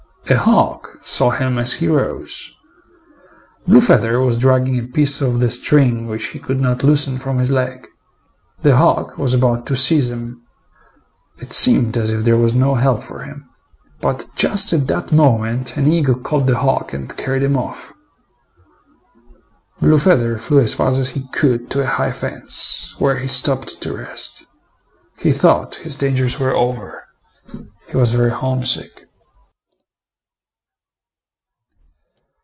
A hawk saw him as he rose. Blue feather was dragging a piece of the string which he could not loosen from his leg. The hawk was about to seize him. It seemed as if there was no help for him. But just at that moment an eagle caught the hawk and carried him off. Blue feather flew as fast as he could to a high fence, where he stopped to rest. He thought his dangers were over. He was very homesick.